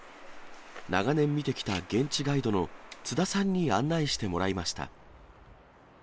長年見てきた現地ガイドの津田さんに案内してもらいました。